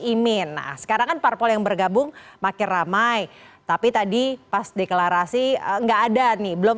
imin nah sekarang kan parpol yang bergabung makin ramai tapi tadi pas deklarasi enggak ada nih belum